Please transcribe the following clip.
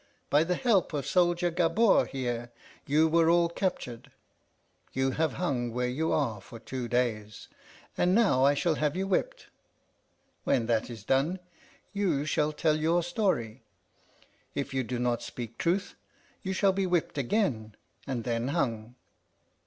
By the help of soldier Gabord here you all were captured. You have hung where you are for two days, and now I shall have you whipped. When that is done, you shall tell your story. If you do not speak truth, you shall be whipped again, and then hung.